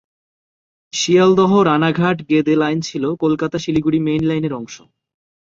শিয়ালদহ-রানাঘাট-গেদে line ছিল Kolkata Siliguri main লাইনের অংশ।